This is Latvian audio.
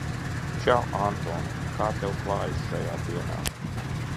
Čau, Anton! Kā tev klājas šajā dienā?